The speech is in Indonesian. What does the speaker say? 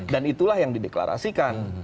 dan itulah yang dideklarasikan